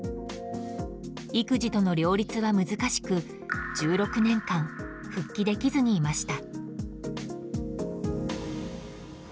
育児との両立は難しく１６年間、復帰できずにいました。